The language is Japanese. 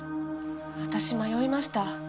私迷いました。